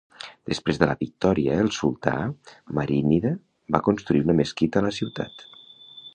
Després de la victòria el sultà marínida va construir una mesquita a la ciutat.